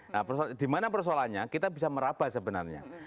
nah di mana persoalannya kita bisa meraba sebenarnya